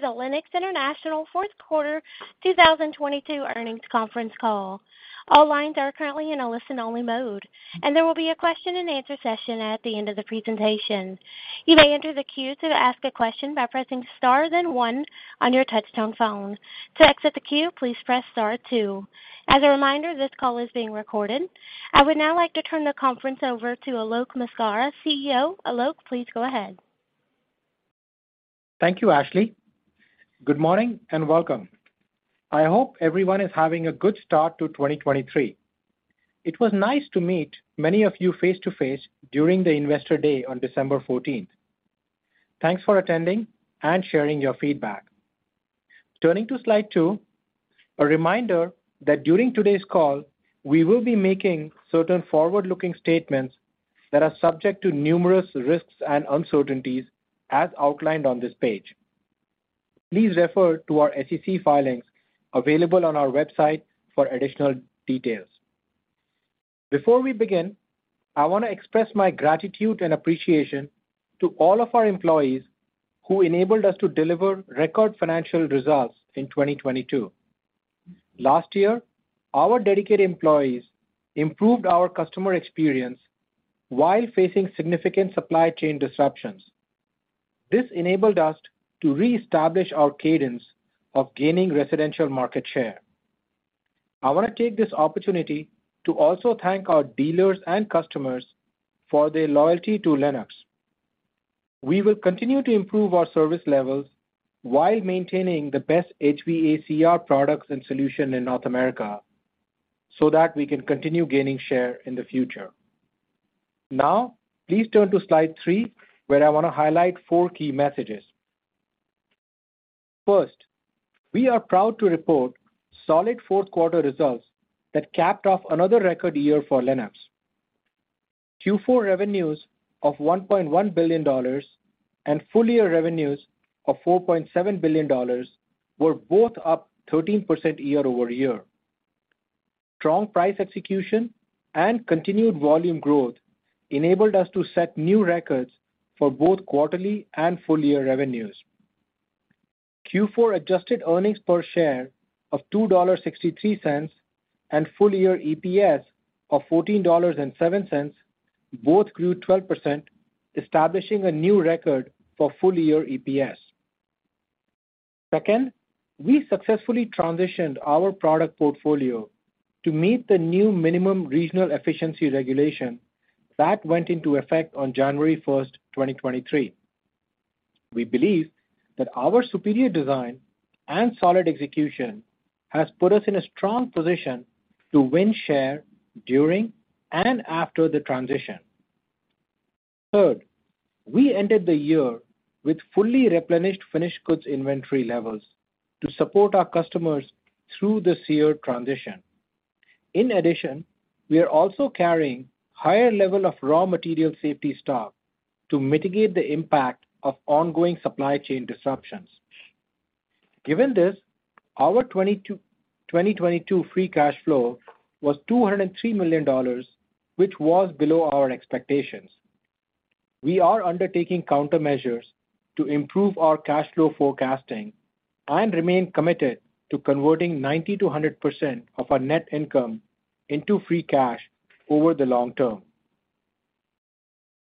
Welcome to the Lennox International Q4 2022 earnings conference call. All lines are currently in a listen-only mode, and there will be a question-and-answer session at the end of the presentation. You may enter the queue to ask a question by pressing star then one on your touchtone phone. To exit the queue, please press star two. As a reminder, this call is being recorded. I would now like to turn the conference over to Alok Maskara, CEO. Alok, please go ahead. Thank you, Ashley. Good morning and welcome. I hope everyone is having a good start to 2023. It was nice to meet many of you face to face during the Investor Day on December fourteenth. Thanks for attending and sharing your feedback. Turning to slide two, a reminder that during today's call, we will be making certain forward-looking statements that are subject to numerous risks and uncertainties as outlined on this page. Please refer to our SEC filings available on our website for additional details. Before we begin, I wanna express my gratitude and appreciation to all of our employees who enabled us to deliver record financial results in 2022. Last year, our dedicated employees improved our customer experience while facing significant supply chain disruptions. This enabled us to reestablish our cadence of gaining residential market share. I wanna take this opportunity to also thank our dealers and customers for their loyalty to Lennox. We will continue to improve our service levels while maintaining the best HVACR products and solution in North America so that we can continue gaining share in the future. Please turn to slide three, where I wanna highlight four key messages. First, we are proud to report solid Q4 results that capped off another record year for Lennox. Q4 revenues of $1.1 billion and full year revenues of $4.7 billion were both up 13% year-over-year. Strong price execution and continued volume growth enabled us to set new records for both quarterly and full year revenues. Q4 adjusted earnings per share of $2.63 and full year EPS of $14.07 both grew 12%, establishing a new record for full year EPS. Second, we successfully transitioned our product portfolio to meet the new minimum regional efficiency regulation that went into effect on January 1st, 2023. We believe that our superior design and solid execution has put us in a strong position to win share during and after the transition. Third, we ended the year with fully replenished finished goods inventory levels to support our customers through the SEER transition. In addition, we are also carrying higher level of raw material safety stock to mitigate the impact of ongoing supply chain disruptions. Given this, our 2022 free cash flow was $203 million, which was below our expectations. We are undertaking countermeasures to improve our cash flow forecasting and remain committed to converting 90%-100% of our net income into free cash over the long term.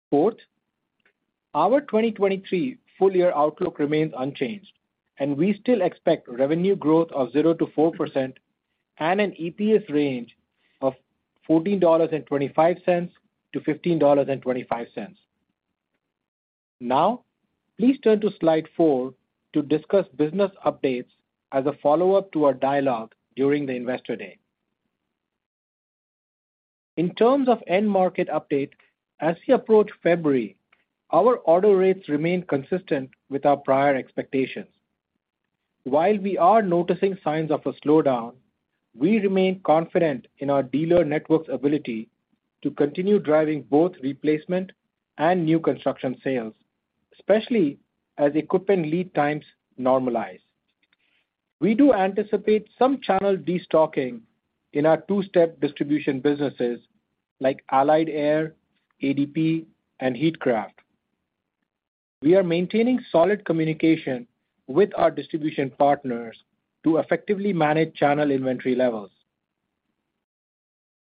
Fourth, our 2023 full year outlook remains unchanged. We still expect revenue growth of 0%-4% and an EPS range of $14.25-$15.25. Now, please turn to slide four to discuss business updates as a follow-up to our dialogue during the Investor Day. In terms of end market update, as we approach February, our order rates remain consistent with our prior expectations. While we are noticing signs of a slowdown, we remain confident in our dealer network's ability to continue driving both replacement and new construction sales, especially as equipment lead times normalize. We do anticipate some channel destocking in our two-step distribution businesses like Allied Air, ADP, and Heatcraft. We are maintaining solid communication with our distribution partners to effectively manage channel inventory levels.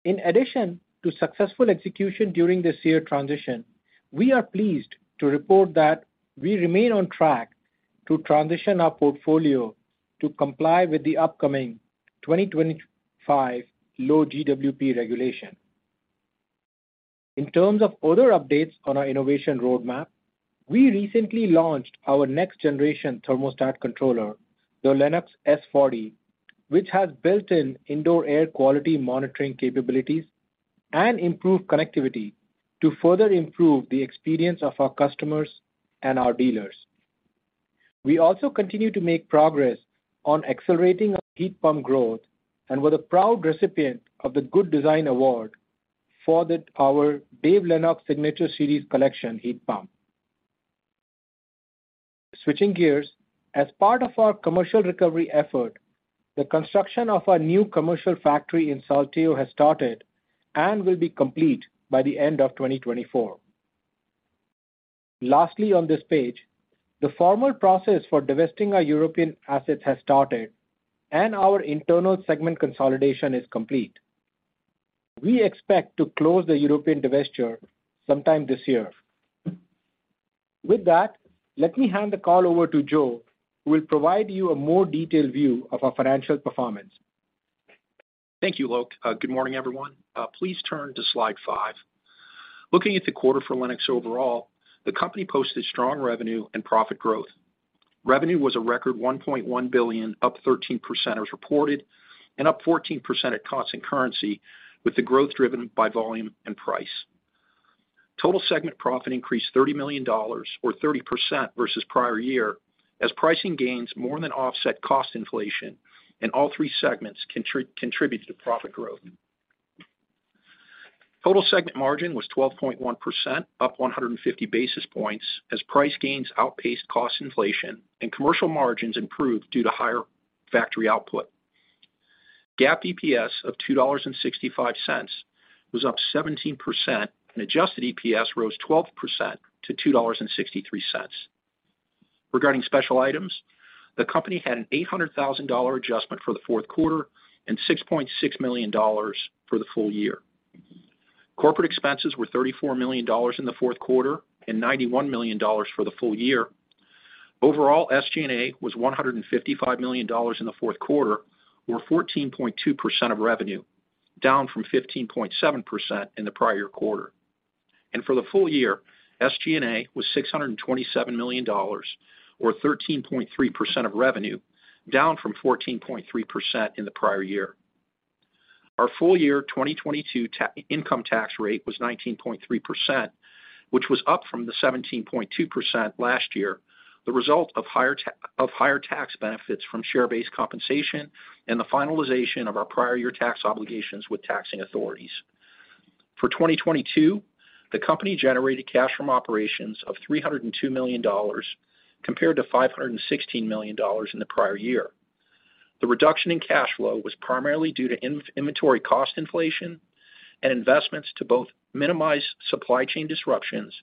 In addition to successful execution during the SEER transition, we are pleased to report that we remain on track to transition our portfolio to comply with the upcoming 2025 low GWP regulation. In terms of other updates on our innovation roadmap, we recently launched our next generation thermostat controller, the Lennox S40, which has built-in indoor air quality monitoring capabilities and improved connectivity to further improve the experience of our customers and our dealers. We also continue to make progress on accelerating our heat pump growth and were the proud recipient of the Good Design Award for our Dave Lennox Signature Series Collection heat pump. Switching gears, as part of our commercial recovery effort. The construction of our new commercial factory in Saltillo has started and will be complete by the end of 2024. On this page, the formal process for divesting our European assets has started and our internal segment consolidation is complete. We expect to close the European divestiture sometime this year. Let me hand the call over to Joe, who will provide you a more detailed view of our financial performance. Thank you, Alok. Good morning, everyone. Please turn to slide 5. Looking at the quarter for Lennox overall, the company posted strong revenue and profit growth. Revenue was a record $1.1 billion, up 13% as reported, and up 14% at constant currency, with the growth driven by volume and price. Total segment profit increased $30 million, or 30% versus prior year, as pricing gains more than offset cost inflation and all three segments contributed to profit growth. Total segment margin was 12.1%, up 150 basis points, as price gains outpaced cost inflation and commercial margins improved due to higher factory output. GAAP EPS of $2.65 was up 17%, and adjusted EPS rose 12% to $2.63. Regarding special items, the company had an $800,000 adjustment for the fourth quarter and $6.6 million for the full year. Corporate expenses were $34 million in the fourth quarter and $91 million for the full year. Overall, SG&A was $155 million in the fourth quarter, or 14.2% of revenue, down from 15.7% in the prior quarter. For the full year, SG&A was $627 million, or 13.3% of revenue, down from 14.3% in the prior year. Our full year 2022 income tax rate was 19.3%, which was up from the 17.2% last year, the result of higher tax benefits from share-based compensation and the finalization of our prior year tax obligations with taxing authorities. For 2022, the company generated cash from operations of $302 million, compared to $516 million in the prior year. The reduction in cash flow was primarily due to inventory cost inflation and investments to both minimize supply chain disruptions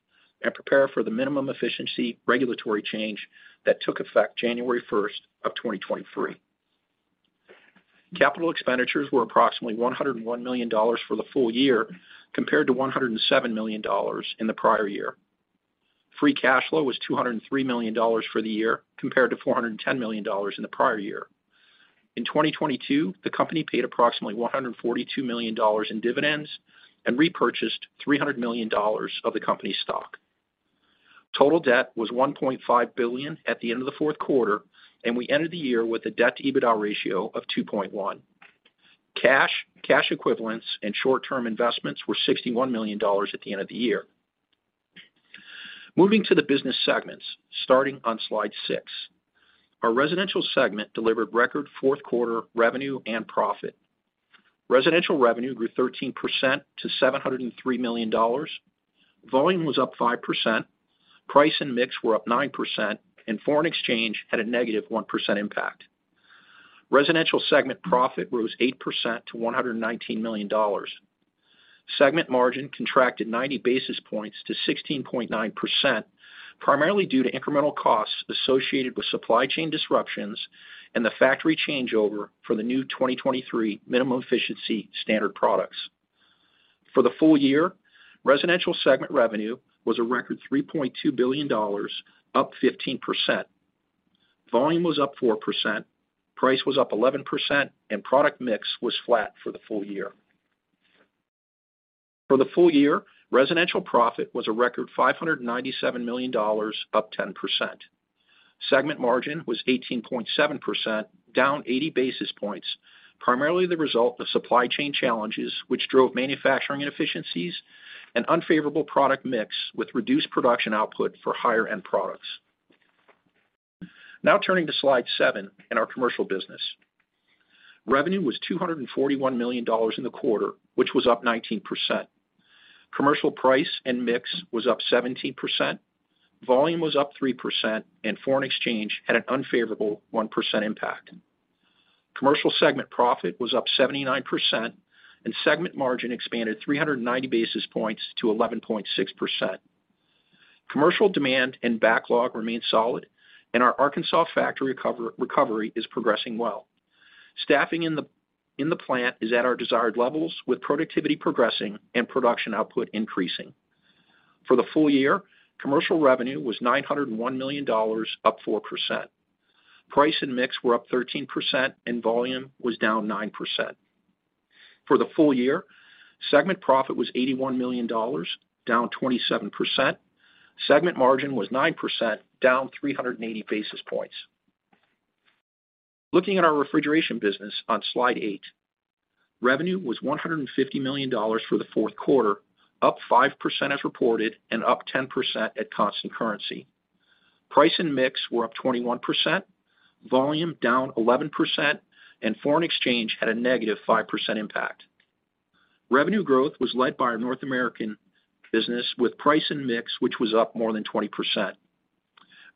and prepare for the minimum efficiency regulatory change that took effect January first of 2023. Capital expenditures were approximately $101 million for the full year, compared to $107 million in the prior year. Free cash flow was $203 million for the year, compared to $410 million in the prior year. In 2022, the company paid approximately $142 million in dividends and repurchased $300 million of the company's stock. Total debt was $1.5 billion at the end of the fourth quarter, and we ended the year with a debt-to-EBITDA ratio of 2.1. Cash, cash equivalents and short-term investments were $61 million at the end of the year. Moving to the business segments, starting on slide 6. Our residential segment delivered record fourth quarter revenue and profit. Residential revenue grew 13% to $703 million. Volume was up 5%. Price and mix were up 9%, and foreign exchange had a negative 1% impact. Residential segment profit rose 8% to $119 million. Segment margin contracted 90 basis points to 16.9%, primarily due to incremental costs associated with supply chain disruptions and the factory changeover for the new 2023 minimum efficiency standard products. For the full year, residential segment revenue was a record $3.2 billion, up 15%. Volume was up 4%, price was up 11%, product mix was flat for the full year. For the full year, residential profit was a record $597 million, up 10%. Segment margin was 18.7%, down 80 basis points, primarily the result of supply chain challenges which drove manufacturing inefficiencies and unfavorable product mix with reduced production output for higher end products. Turning to slide 7 in our commercial business. Revenue was $241 million in the quarter, which was up 19%. Commercial price and mix was up 17%. Volume was up 3% and foreign exchange had an unfavorable 1% impact. Commercial segment profit was up 79% and segment margin expanded 390 basis points to 11.6%. Commercial demand and backlog remain solid and our Arkansas factory recovery is progressing well. Staffing in the plant is at our desired levels with productivity progressing and production output increasing. For the full year, commercial revenue was $901 million, up 4%. Price and mix were up 13% and volume was down 9%. For the full year, segment profit was $81 million, down 27%. Segment margin was 9%, down 380 basis points. Looking at our refrigeration business on Slide 8, revenue was $150 million for the fourth quarter, up 5% as reported and up 10% at constant currency. Price and mix were up 21%, volume down 11%, foreign exchange had a negative 5% impact. Revenue growth was led by our North American business with price and mix, which was up more than 20%.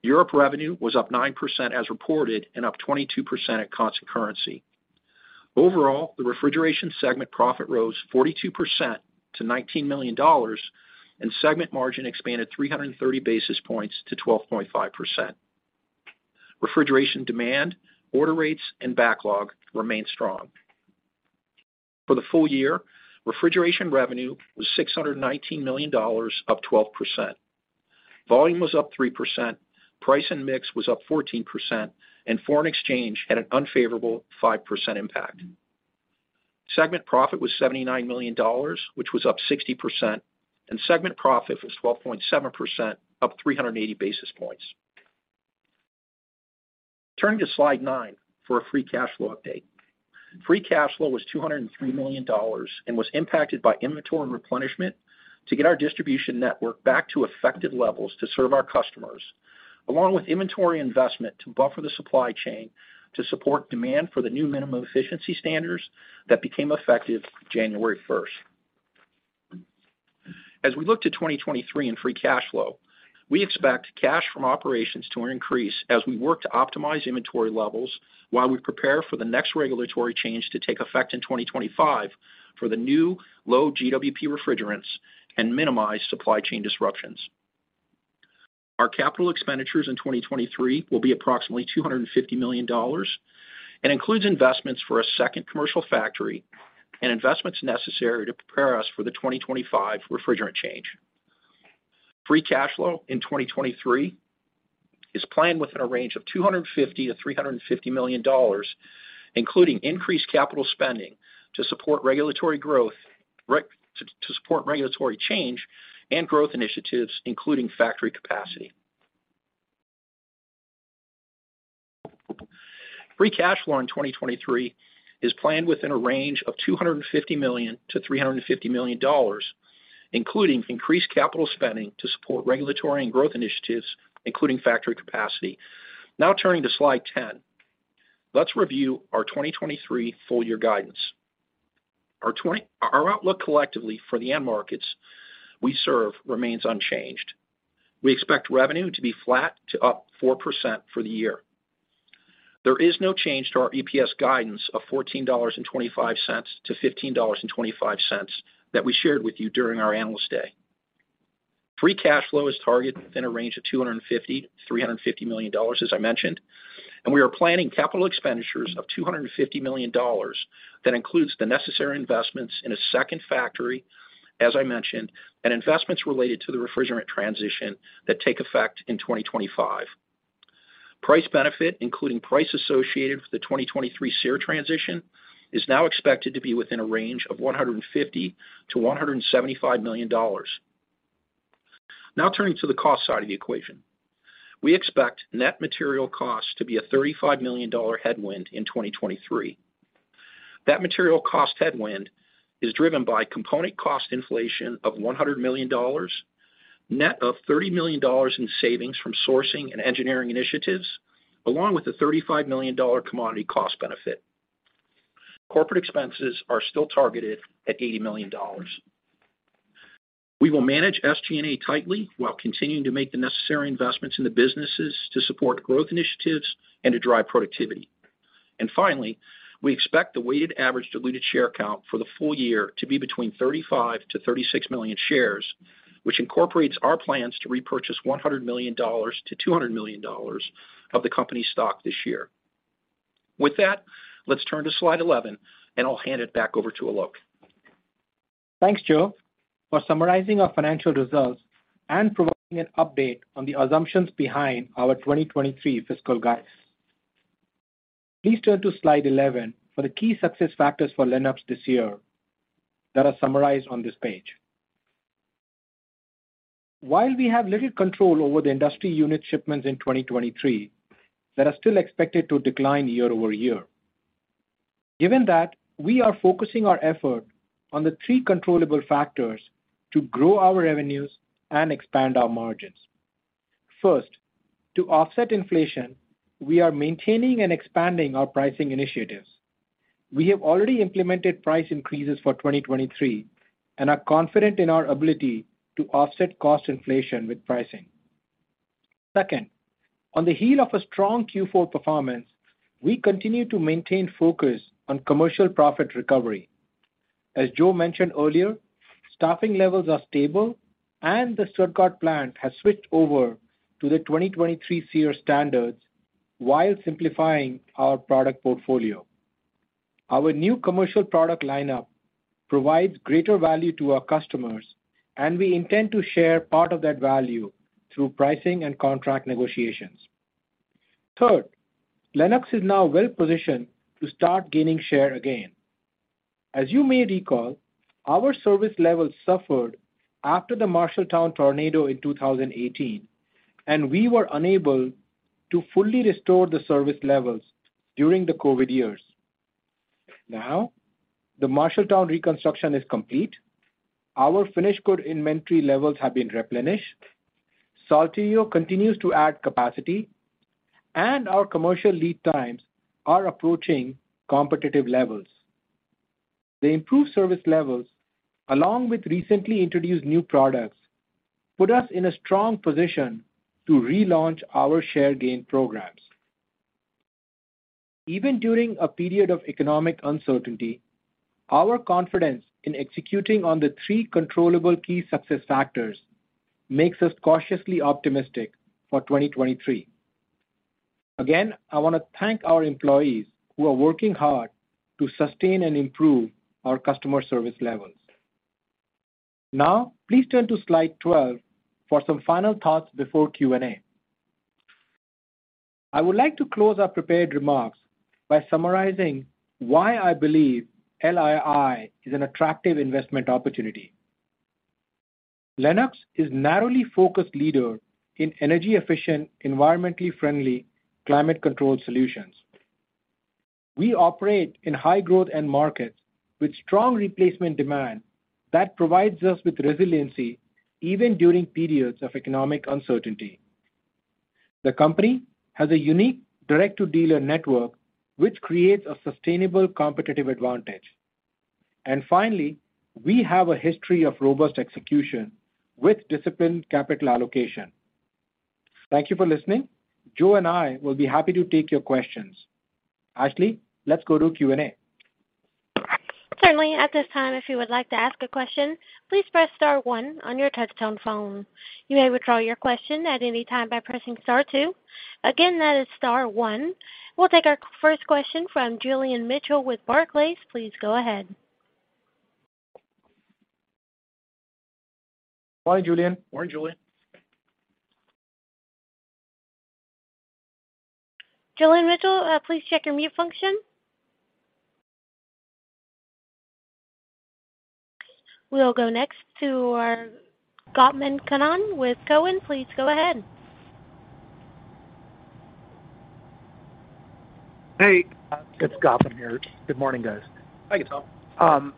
Europe revenue was up 9% as reported and up 22% at constant currency. Overall, the refrigeration segment profit rose 42% to $19 million, segment margin expanded 330 basis points to 12.5%. Refrigeration demand, order rates, and backlog remain strong. For the full year, refrigeration revenue was $619 million, up 12%. Volume was up 3%, price and mix was up 14%, and foreign exchange had an unfavorable 5% impact. Segment profit was $79 million, which was up 60%, and segment profit was 12.7%, up 380 basis points. Turning to Slide nine for a free cash flow update. Free cash flow was $203 million and was impacted by inventory replenishment to get our distribution network back to effective levels to serve our customers, along with inventory investment to buffer the supply chain to support demand for the new minimum efficiency standards that became effective January first. As we look to 2023 in free cash flow, we expect cash from operations to increase as we work to optimize inventory levels while we prepare for the next regulatory change to take effect in 2025 for the new low GWP refrigerants and minimize supply chain disruptions. Our capital expenditures in 2023 will be approximately $250 million and includes investments for a second commercial factory and investments necessary to prepare us for the 2025 refrigerant change. Free cash flow in 2023 is planned within a range of $250 million-$350 million, including increased capital spending to support regulatory change and growth initiatives, including factory capacity. Free cash flow in 2023 is planned within a range of $250 million-$350 million, including increased capital spending to support regulatory and growth initiatives, including factory capacity. Turning to slide 10. Let's review our 2023 full year guidance. Our outlook collectively for the end markets we serve remains unchanged. We expect revenue to be flat to up 4% for the year. There is no change to our EPS guidance of $14.25-$15.25 that we shared with you during our Analyst Day. Free cash flow is targeted within a range of $250 million-$350 million, as I mentioned, and we are planning capital expenditures of $250 million. That includes the necessary investments in a second factory, as I mentioned, and investments related to the refrigerant transition that take effect in 2025. Price benefit, including price associated with the 2023 SEER transition, is now expected to be within a range of $150 million-$175 million. Turning to the cost side of the equation. We expect net material cost to be a $35 million headwind in 2023. That material cost headwind is driven by component cost inflation of $100 million, net of $30 million in savings from sourcing and engineering initiatives, along with a $35 million commodity cost benefit. Corporate expenses are still targeted at $80 million. We will manage SG&A tightly while continuing to make the necessary investments in the businesses to support growth initiatives and to drive productivity. Finally, we expect the weighted average diluted share count for the full year to be between 35 million-36 million shares, which incorporates our plans to repurchase $100 million-$200 million of the company's stock this year. With that, let's turn to slide 11, and I'll hand it back over to Alok. Thanks, Joe, for summarizing our financial results and providing an update on the assumptions behind our 2023 fiscal guidance. Please turn to slide 11 for the key success factors for Lennox this year that are summarized on this page. While we have little control over the industry unit shipments in 2023, they are still expected to decline year-over-year. Given that, we are focusing our effort on the 3 controllable factors to grow our revenues and expand our margins. First, to offset inflation, we are maintaining and expanding our pricing initiatives. We have already implemented price increases for 2023 and are confident in our ability to offset cost inflation with pricing. Second, on the heel of a strong Q4 performance, we continue to maintain focus on commercial profit recovery. As Joe Ritchie mentioned earlier, staffing levels are stable, and the Stuttgart plant has switched over to the 2023 SEER standards while simplifying our product portfolio. Our new commercial product lineup provides greater value to our customers, and we intend to share part of that value through pricing and contract negotiations. Third, Lennox is now well-positioned to start gaining share again. As you may recall, our service levels suffered after the Marshalltown tornado in 2018, and we were unable to fully restore the service levels during the COVID years. Now, the Marshalltown reconstruction is complete. Our finished goods inventory levels have been replenished. Saltillo continues to add capacity. Our commercial lead times are approaching competitive levels. The improved service levels, along with recently introduced new products, put us in a strong position to relaunch our share gain programs. Even during a period of economic uncertainty, our confidence in executing on the 3 controllable key success factors makes us cautiously optimistic for 2023. I wanna thank our employees who are working hard to sustain and improve our customer service levels. Please turn to slide 12 for some final thoughts before Q&A. I would like to close our prepared remarks by summarizing why I believe LII is an attractive investment opportunity. Lennox is narrowly focused leader in energy efficient, environmentally friendly, climate controlled solutions. We operate in high growth end markets with strong replacement demand that provides us with resiliency even during periods of economic uncertainty. The company has a unique direct to dealer network which creates a sustainable competitive advantage. Finally, we have a history of robust execution with disciplined capital allocation. Thank you for listening. Joe and I will be happy to take your questions. Ashley, let's go to Q&A. Certainly. At this time, if you would like to ask a question, please press star one on your touchtone phone. You may withdraw your question at any time by pressing star two. Again, that is star one. We'll take our first question from Julian Mitchell with Barclays. Please go ahead. Hi, Julian. Morning, Julian. Julian Mitchell, please check your mute function. We'll go next to Gautam Khanna with Cowen. Please go ahead. Hey, it's Gautam here. Good morning, guys. Hi Gautam.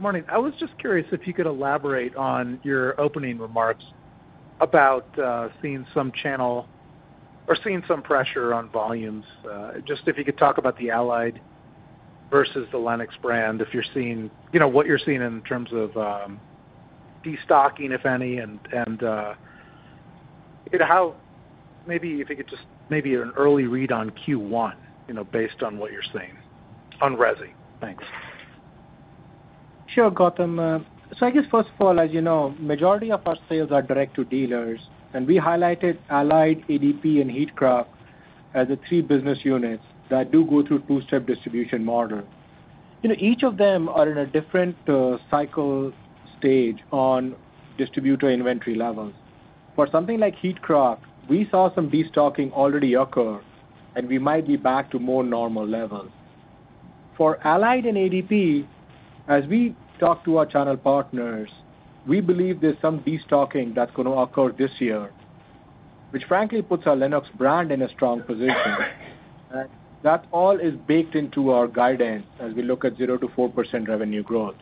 Morning. I was just curious if you could elaborate on your opening remarks about seeing some channel or seeing some pressure on volumes. Just if you could talk about the Allied Air versus the Lennox brand, you know, what you're seeing in terms of destocking, if any, and maybe if you could just an early read on Q1, you know, based on what you're seeing on resi. Thanks. Sure, Gautam. I guess first of all, as you know, majority of our sales are direct to dealers, and we highlighted Allied, ADP and Heatcraft as the three business units that do go through two-step distribution model. You know, each of them are in a different cycle stage on distributor inventory levels. Something like Heatcraft, we saw some destocking already occur, and we might be back to more normal levels. Allied and ADP, as we talk to our channel partners, we believe there's some destocking that's gonna occur this year, which frankly puts our Lennox brand in a strong position. That all is baked into our guidance as we look at 0%-4% revenue growth.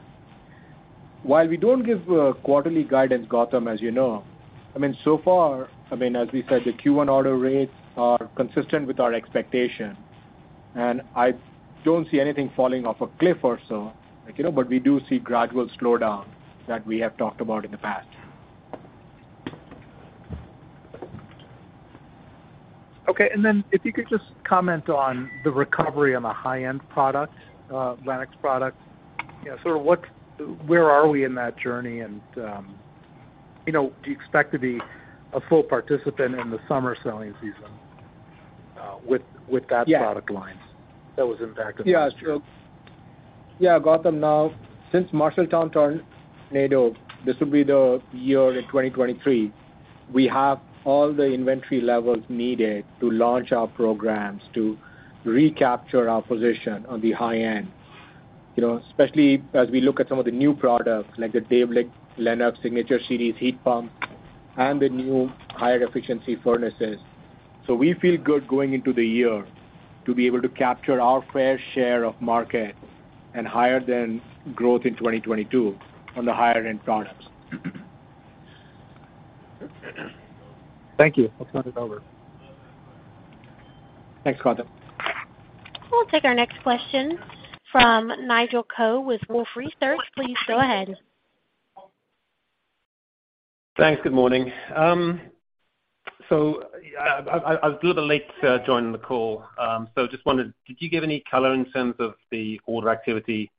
While we don't give, quarterly guidance, Gautam, as you know, I mean, so far, I mean, as we said, the Q1 order rates are consistent with our expectation, and I don't see anything falling off a cliff or so. We do see gradual slowdown that we have talked about in the past. Okay. If you could just comment on the recovery on the high-end product, Lennox product, you know, sort of where are we in that journey? Do you expect to be a full participant in the summer selling season, with that product line that was impacted this year? Yeah. Sure. Yeah, Gautam. Now, since Marshalltown tornado, this will be the year in 2023, we have all the inventory levels needed to launch our programs to recapture our position on the high end. You know, especially as we look at some of the new products like the Dave Lennox Signature Collection heat pump and the new higher efficiency furnaces. We feel good going into the year to be able to capture our fair share of market and higher than growth in 2022 on the higher end products. Thank you. I'll turn it over. Thanks, Gautam. We'll take our next question from Nigel Coe with Wolfe Research. Please go ahead. Thanks. Good morning. I was a little bit late to joining the call. Just wondered, did you give any color in terms of the order activity in 1 Q?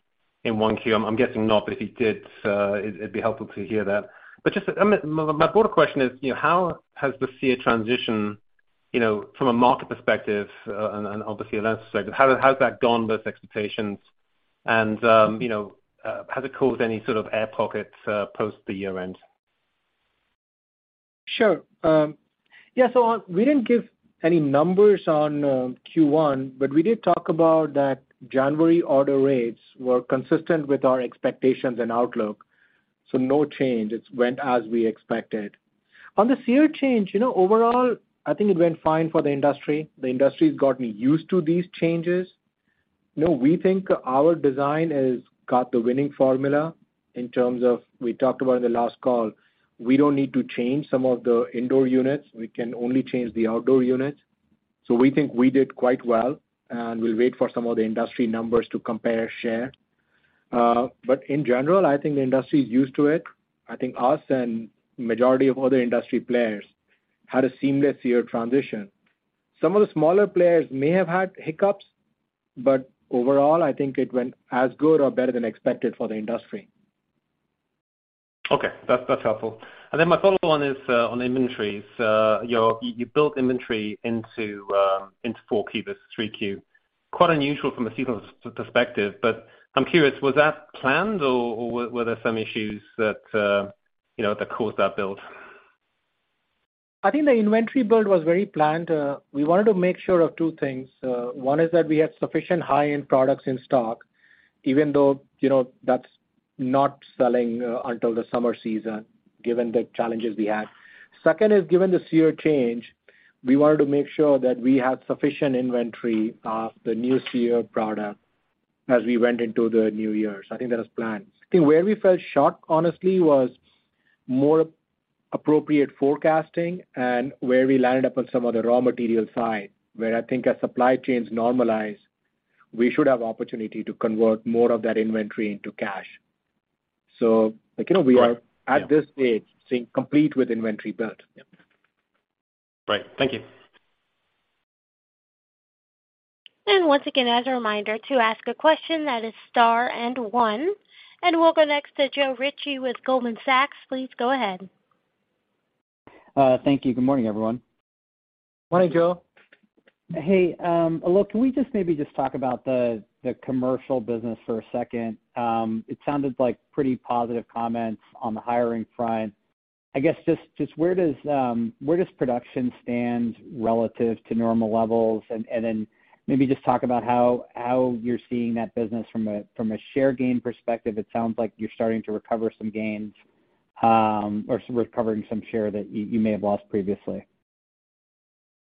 I'm guessing not, but if you did, it'd be helpful to hear that. Just, I mean, my broader question is, you know, how has the SEER transition, you know, from a market perspective and obviously a Lennox perspective, how's that gone versus expectations? You know, has it caused any sort of air pockets, post the year end? Sure. Yeah. We didn't give any numbers on Q1. We did talk about that January order rates were consistent with our expectations and outlook. No change. It went as we expected. On the SEER change, you know, overall, I think it went fine for the industry. The industry's gotten used to these changes. We think our design has got the winning formula in terms of, we talked about in the last call, we don't need to change some of the indoor units. We can only change the outdoor units. We think we did quite well. We'll wait for some of the industry numbers to compare share. In general, I think the industry is used to it. I think us and majority of other industry players had a seamless SEER transition. Some of the smaller players may have had hiccups, but overall, I think it went as good or better than expected for the industry. Okay. That's, that's helpful. My follow-on is on inventories. You know, you built inventory into 4Q vs 3Q. Quite unusual from a seasonal perspective, but I'm curious, was that planned or were there some issues that, you know, that caused that build? I think the inventory build was very planned. We wanted to make sure of two things. One is that we have sufficient high-end products in stock, even though, you know, that's not selling, until the summer season, given the challenges we had. Second is, given the SEER change, we wanted to make sure that we had sufficient inventory of the new SEER product as we went into the new year. I think that was planned. I think where we fell short, honestly, was more appropriate forecasting and where we landed up on some of the raw material side, where I think as supply chains normalize, we should have opportunity to convert more of that inventory into cash. Like, you know, we are at this stage seeing complete with inventory build. Right. Thank you. Once again, as a reminder, to ask a question that is star and one. We'll go next to Joe Ritchie with Goldman Sachs. Please go ahead. Thank you. Good morning, everyone. Morning, Joe. Hey, Alok, can we just maybe just talk about the commercial business for a second? It sounded like pretty positive comments on the hiring front. I guess just where does production stand relative to normal levels? Then maybe just talk about how you're seeing that business from a share gain perspective. It sounds like you're starting to recover some gains, or recovering some share that you may have lost previously.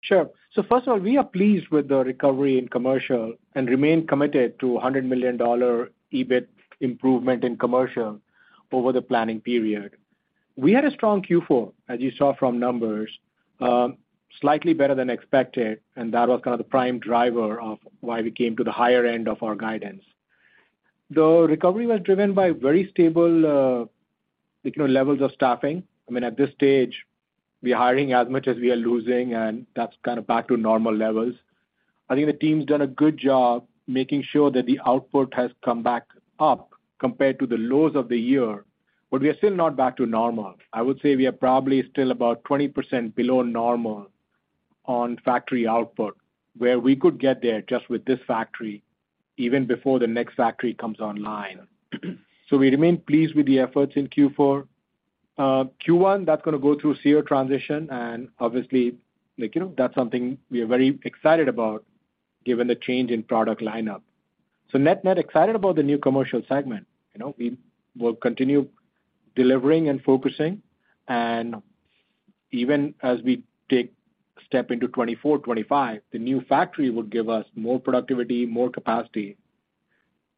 Sure. First of all, we are pleased with the recovery in commercial and remain committed to a $100 million EBIT improvement in commercial over the planning period. We had a strong Q4, as you saw from numbers, slightly better than expected, and that was kind of the prime driver of why we came to the higher end of our guidance. The recovery was driven by very stable, you know, levels of staffing. I mean, at this stage, we are hiring as much as we are losing, and that's kinda back to normal levels. I think the team's done a good job making sure that the output has come back up compared to the lows of the year, but we are still not back to normal. I would say we are probably still about 20% below normal on factory output, where we could get there just with this factory even before the next factory comes online. We remain pleased with the efforts in Q4. Q1, that's gonna go through SEER transition and obviously, like, you know, that's something we are very excited about given the change in product lineup. Net net excited about the new commercial segment. You know, we will continue delivering and focusing. Even as we take step into 2024, 2025, the new factory will give us more productivity, more capacity.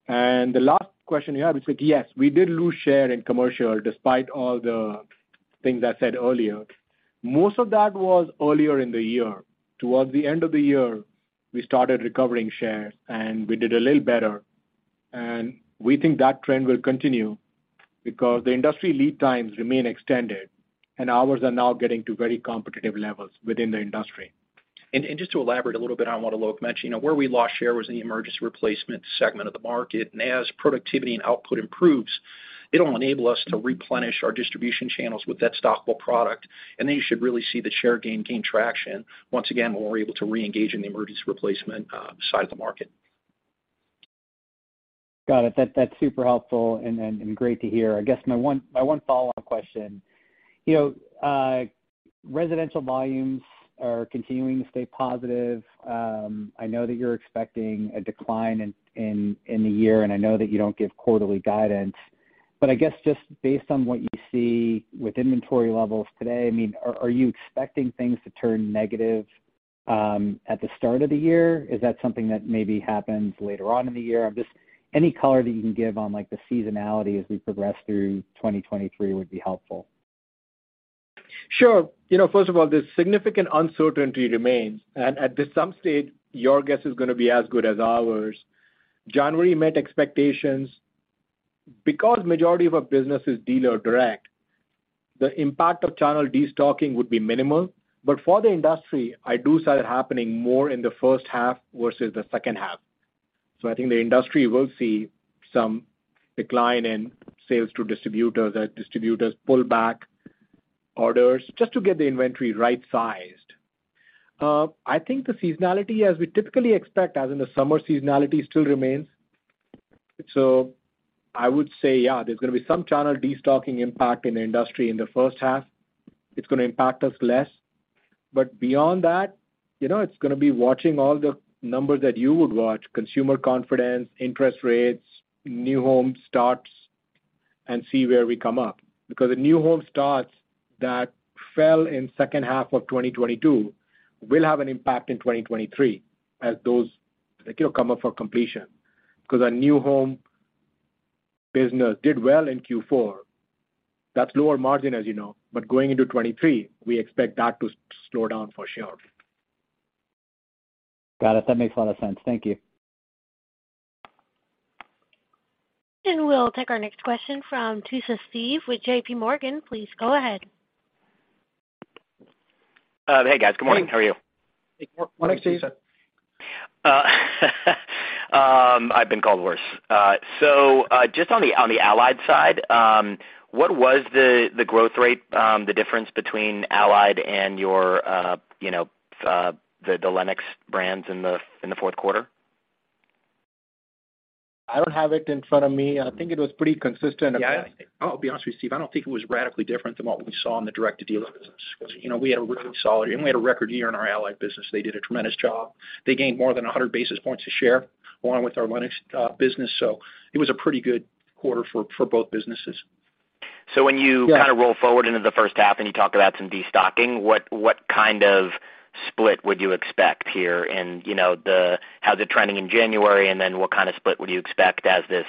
The last question you have is like, yes, we did lose share in commercial despite all the things I said earlier. Most of that was earlier in the year. Towards the end of the year, we started recovering shares, and we did a little better. We think that trend will continue because the industry lead times remain extended, and ours are now getting to very competitive levels within the industry. Just to elaborate a little bit on what Alok mentioned, you know, where we lost share was in the emergency replacement segment of the market. As productivity and output improves, it'll enable us to replenish our distribution channels with that stockable product, then you should really see the share gain traction once again when we're able to reengage in the emergency replacement side of the market. Got it. That's super helpful and great to hear. I guess my one follow-up question. You know, residential volumes are continuing to stay positive. I know that you're expecting a decline in the year, and I know that you don't give quarterly guidance. I guess just based on what you see with inventory levels today, I mean, are you expecting things to turn negative at the start of the year? Is that something that maybe happens later on in the year? Any color that you can give on, like, the seasonality as we progress through 2023 would be helpful. Sure. You know, first of all, there's significant uncertainty remains. At this some stage, your guess is gonna be as good as ours. January met expectations. Majority of our business is dealer direct, the impact of channel destocking would be minimal. For the industry, I do see it happening more in the first half versus the second half. I think the industry will see some decline in sales to distributors as distributors pull back orders just to get the inventory right-sized. I think the seasonality as we typically expect, as in the summer seasonality still remains. I would say, yeah, there's gonna be some channel destocking impact in the industry in the first half. It's gonna impact us less. beyond that, you know, it's gonna be watching all the numbers that you would watch, consumer confidence, interest rates, new home starts. See where we come up. The new home starts that fell in second half of 2022 will have an impact in 2023 as those, like, you know, come up for completion. Our new home business did well in Q4. That's lower margin, as you know, but going into 2023, we expect that to slow down for sure. Got it. That makes a lot of sense. Thank you. We'll take our next question from Steve Tusa with JPMorgan. Please go ahead. Hey, guys. Good morning. How are you? Hey. Good morning, Steve. I've been called worse. Just on the Allied side, what was the growth rate, the difference between Allied and your, you know, the Lennox brands in the fourth quarter? I don't have it in front of me. I think it was pretty consistent. I'll be honest with you, Steve, I don't think it was radically different than what we saw in the direct-to-dealer business. 'Cause, you know, we had a really solid... I mean, we had a record year in our Allied business. They did a tremendous job. They gained more than 100 basis points of share along with our Lennox business. It was a pretty good quarter for both businesses. So when you- Yeah Kinda roll forward into the first half and you talk about some destocking, what kind of split would you expect here in, you know? How's it trending in January, and then what kinda split would you expect as this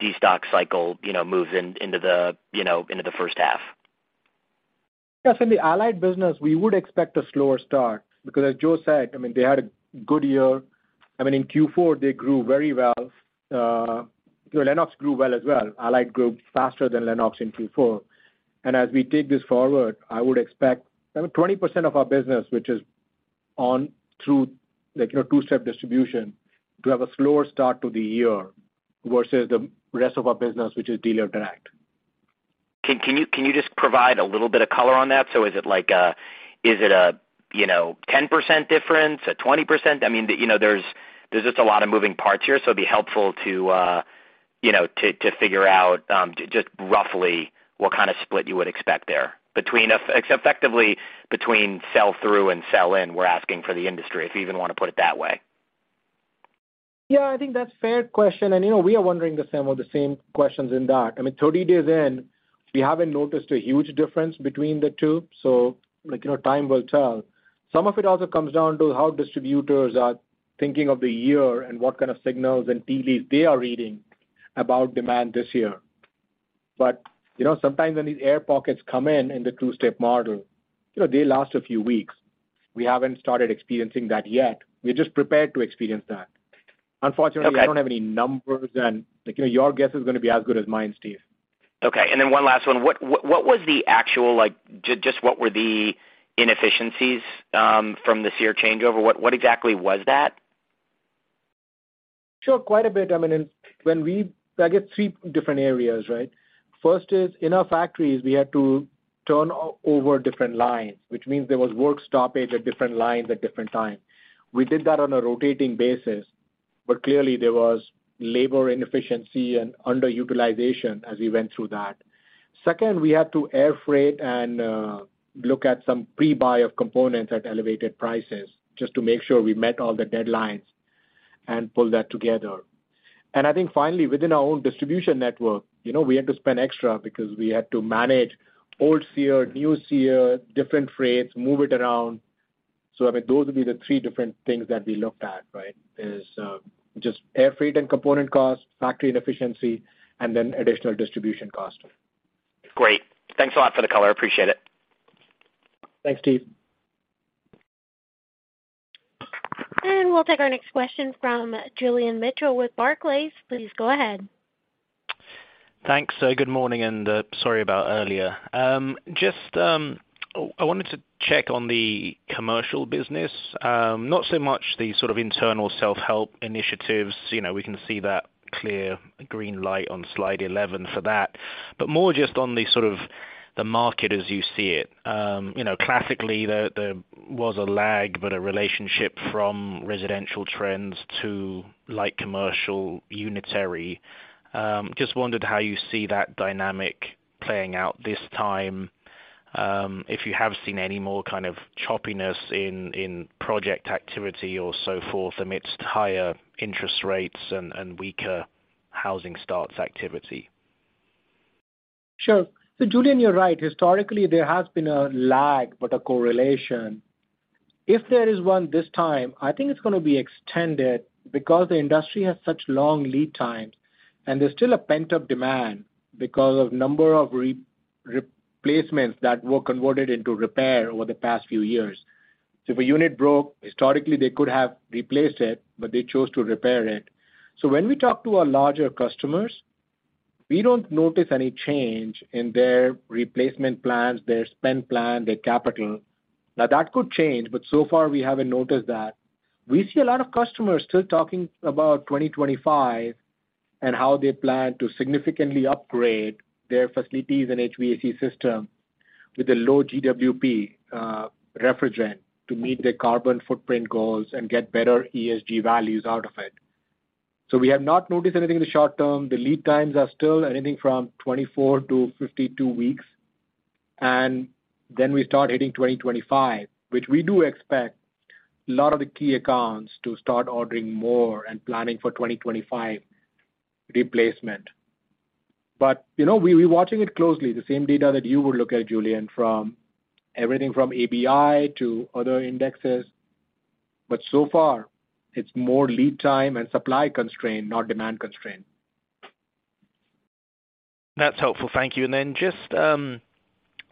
destock cycle, you know, moves into the, you know, first half? Yes, in the Allied business, we would expect a slower start because as Joe said, I mean, they had a good year. I mean, in Q4, they grew very well. you know, Lennox grew well as well. Allied grew faster than Lennox in Q4. As we take this forward, I would expect maybe 20% of our business, which is on through, like, your two-step distribution, to have a slower start to the year versus the rest of our business, which is dealer direct. Can you just provide a little bit of color on that? Is it like, you know, 10% difference, a 20%? I mean, you know, there's just a lot of moving parts here. It'd be helpful to, you know, to figure out just roughly what kinda split you would expect there effectively between sell-through and sell-in, we're asking for the industry, if you even wanna put it that way. Yeah, I think that's fair question. You know, we are wondering the same, or the same questions in that. I mean, 30 days in, we haven't noticed a huge difference between the two. Like, you know, time will tell. Some of it also comes down to how distributors are thinking of the year and what kind of signals and tea leaves they are reading about demand this year. You know, sometimes when these air pockets come in in the 2-step model, you know, they last a few weeks. We haven't started experiencing that yet. We're just prepared to experience that. Unfortunately. Okay I don't have any numbers, and like, you know, your guess is gonna be as good as mine, Steve. Okay. Then one last one. Just what were the inefficiencies from the SEER changeover? What exactly was that? Sure. Quite a bit. I mean, I get three different areas, right? First is in our factories, we had to turn over different lines, which means there was work stoppage at different lines at different times. We did that on a rotating basis, but clearly there was labor inefficiency and underutilization as we went through that. Second, we had to air freight and look at some pre-buy of components at elevated prices just to make sure we met all the deadlines and pull that together. I think finally, within our own distribution network, you know, we had to spend extra because we had to manage old SEER, new SEER, different freights, move it around. I mean, those would be the three different things that we looked at, right? Is just air freight and component cost, factory and efficiency, and then additional distribution cost. Great. Thanks a lot for the color. Appreciate it. Thanks, Steve. We'll take our next question from Julian Mitchell with Barclays. Please go ahead. Thanks. Good morning, and sorry about earlier. Just, I wanted to check on the commercial business. Not so much the sort of internal self-help initiatives. You know, we can see that clear green light on slide 11 for that. More just on the sort of the market as you see it. You know, classically there was a lag, but a relationship from residential trends to light commercial unitary. Just wondered how you see that dynamic playing out this time, if you have seen any more kind of choppiness in project activity or so forth amidst higher interest rates and weaker housing starts activity. Sure. Julian, you're right. Historically, there has been a lag, but a correlation. If there is one this time, I think it's going to be extended because the industry has such long lead times and there's still a pent-up demand because of number of replacements that were converted into repair over the past few years. If a unit broke, historically, they could have replaced it, but they chose to repair it. When we talk to our larger customers, we don't notice any change in their replacement plans, their spend plan, their capital. Now, that could change, but so far we haven't noticed that. We see a lot of customers still talking about 2025 and how they plan to significantly upgrade their facilities and HVAC system with a low GWP refrigerant to meet their carbon footprint goals and get better ESG values out of it. We have not noticed anything in the short term. The lead times are still anything from 24 to 52 weeks. Then we start hitting 2025, which we do expect a lot of the key accounts to start ordering more and planning for 2025 replacement. You know, we're watching it closely, the same data that you would look at, Julian, from everything from ABI to other indexes. So far, it's more lead time and supply constraint, not demand constraint. That's helpful. Thank you. Then just,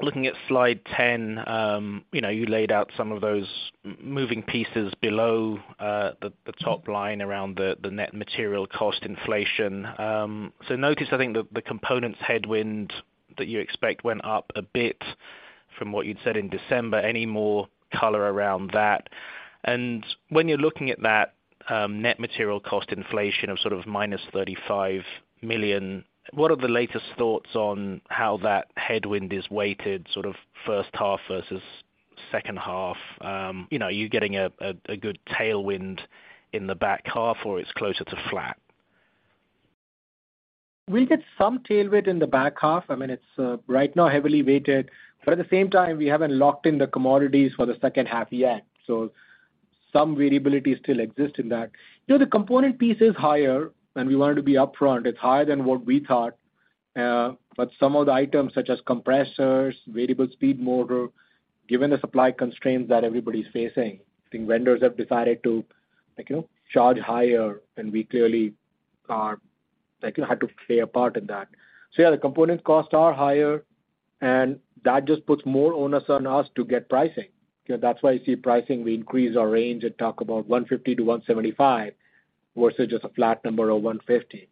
looking at slide 10, you know, you laid out some of those moving pieces below, the top line around the net material cost inflation. Notice, I think the components headwind that you expect went up a bit from what you'd said in December. Any more color around that? When you're looking at that, net material cost inflation of sort of minus $35 million, what are the latest thoughts on how that headwind is weighted sort of first half versus second half? You know, are you getting a good tailwind in the back half or it's closer to flat? We get some tailwind in the back half. I mean, it's right now heavily weighted, but at the same time, we haven't locked in the commodities for the second half yet. Some variability still exists in that. You know, the component piece is higher, and we wanted to be upfront. It's higher than what we thought. Some of the items such as compressors, variable speed motor, given the supply constraints that everybody's facing, I think vendors have decided to, like, you know, charge higher, and we clearly are, like, you have to play a part in that. Yeah, the component costs are higher, and that just puts more onus on us to get pricing. That's why you see pricing, we increase our range and talk about $150-$175 versus just a flat number of $150.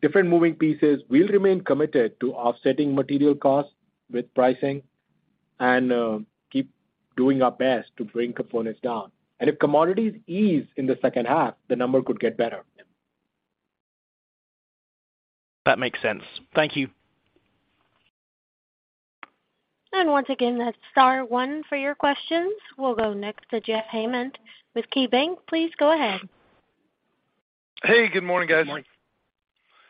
Different moving pieces. We'll remain committed to offsetting material costs with pricing and, keep doing our best to bring components down. If commodities ease in the second half, the number could get better. That makes sense. Thank you. once again, that's star one for your questions. We'll go next to Jeff Hammond with KeyBanc. Please go ahead. Hey, good morning, guys. Good morning.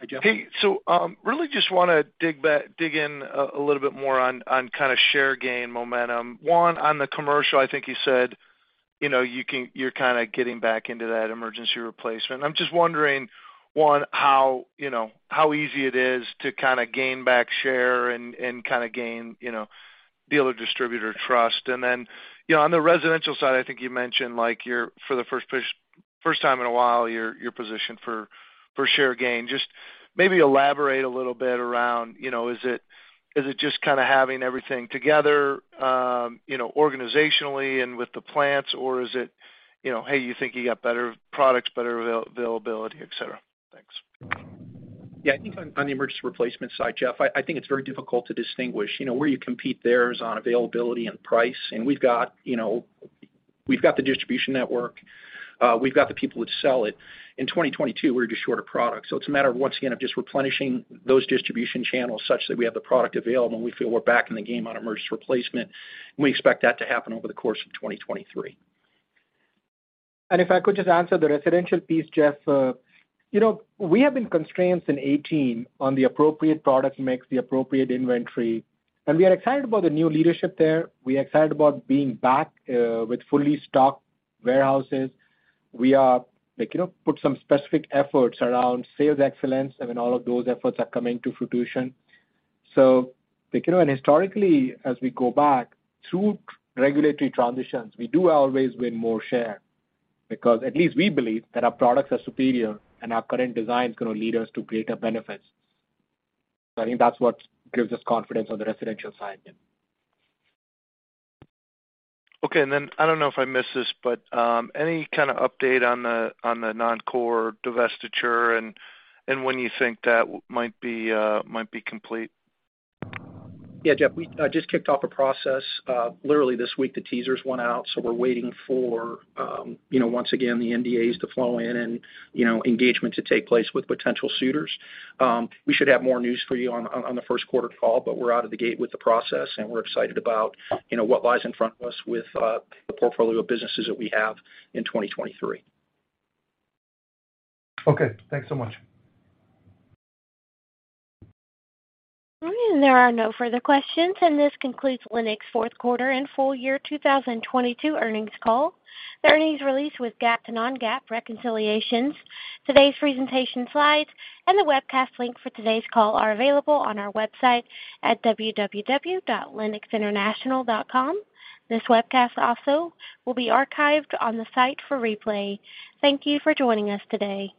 Hi, Jeff. Really just wanna dig in a little bit more on kinda share gain momentum. One, on the commercial, I think you said, you're kinda getting back into that emergency replacement. I'm just wondering, one, how, you know, how easy it is to kinda gain back share and kinda gain, you know, dealer distributor trust. Then, you know, on the residential side, I think you mentioned, like, you're for the first time in a while, you're positioned for share gain. Just maybe elaborate a little bit around, you know, is it just kinda having everything together, you know, organizationally and with the plants, or is it, you know, hey, you think you got better products, better availability, et cetera? Thanks. Yeah. I think on the emergency replacement side, Jeff, I think it's very difficult to distinguish. You know, where you compete there is on availability and price, and we've got, you know, we've got the distribution network. We've got the people that sell it. In 2022, we were just short of product. It's a matter of, once again, of just replenishing those distribution channels such that we have the product available, and we feel we're back in the game on emergency replacement. We expect that to happen over the course of 2023. If I could just answer the residential piece, Jeff. you know, we have been constrained since 2018 on the appropriate product mix, the appropriate inventory. We are excited about the new leadership there. We're excited about being back with fully stocked warehouses. We are, like, you know, put some specific efforts around sales excellence. I mean, all of those efforts are coming to fruition. Historically, as we go back through regulatory transitions, we do always win more share because at least we believe that our products are superior and our current design is gonna lead us to greater benefits. I think that's what gives us confidence on the residential side. Okay. I don't know if I missed this, but, any kind of update on the non-core divestiture and when you think that might be complete? Jeff, we just kicked off a process, literally this week. The teasers went out, so we're waiting for, you know, once again, the NDAs to flow in and, you know, engagement to take place with potential suitors. We should have more news for you on the first quarter call, but we're out of the gate with the process, and we're excited about, you know, what lies in front of us with the portfolio of businesses that we have in 2023. Okay. Thanks so much. All right. There are no further questions, and this concludes Lennox fourth quarter and full year 2022 earnings call. The earnings release with GAAP to non-GAAP reconciliations. Today's presentation slides and the webcast link for today's call are available on our website at www.lennoxinternational.com. This webcast also will be archived on the site for replay. Thank you for joining us today.